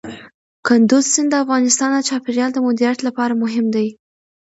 کندز سیند د افغانستان د چاپیریال د مدیریت لپاره مهم دي.